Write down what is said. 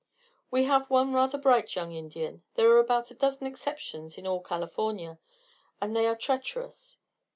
"We have one rather bright young Indian there are about a dozen exceptions in all California, and they are treacherous.